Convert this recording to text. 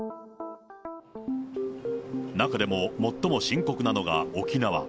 中でも最も深刻なのが沖縄。